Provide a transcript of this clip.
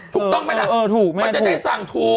ถูกต้องไหมล่ะมันจะได้สั่งถูก